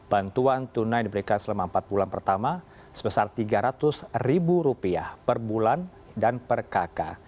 bantuan tunai diberikan selama empat bulan pertama sebesar rp tiga ratus ribu rupiah per bulan dan per kakak